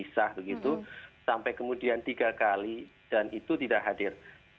sampai kemudian tiga kali dan itu tidak hadir